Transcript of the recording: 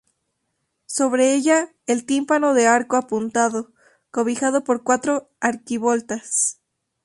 Sobre ella, el tímpano de arco apuntado, cobijado por cuatro arquivoltas.